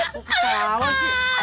kok ke keralawar sih